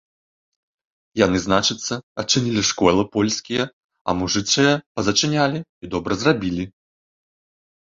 Яны, значыцца, адчынілі школы польскія, а мужычыя пазачынялі і добра зрабілі!